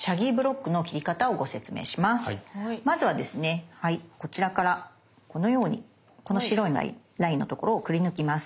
まずはですねこちらからこのようにこの白いラインのところをくりぬきます。